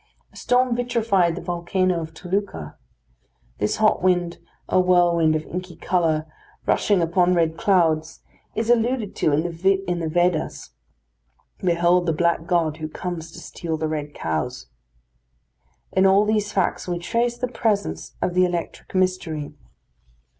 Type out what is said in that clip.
A storm vitrified the volcano of Toluca. This hot wind, a whirlwind of inky colour, rushing upon red clouds, is alluded to in the Vedas: "Behold the black god, who comes to steal the red cows." In all these facts we trace the presence of the electric mystery.